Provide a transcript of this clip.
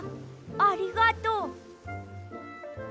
ありがとう。